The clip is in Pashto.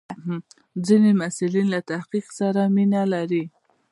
ځینې محصلین له تحقیق سره مینه لري.